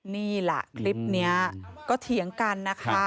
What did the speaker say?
นี่แหละคลิปนี้ก็เถียงกันนะคะ